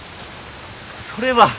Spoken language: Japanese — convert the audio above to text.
それは。何？